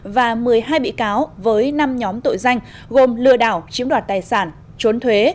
và một mươi hai bị cáo với năm nhóm tội danh gồm lừa đảo chiếm đoạt tài sản trốn thuế